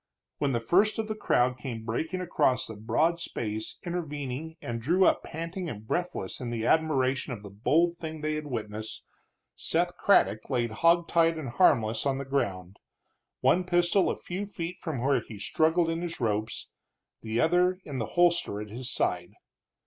When the first of the crowd came breaking across the broad space intervening and drew up panting and breathless in admiration of the bold thing they had witnessed, Seth Craddock lay hog tied and harmless on the ground, one pistol a few feet from where he struggled in his ropes, the other in the holster at his side.